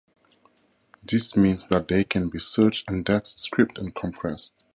This means that they can be searched, indexed, scripted, and compressed.